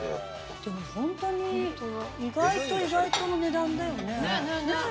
ホントに意外と意外との値段だよね。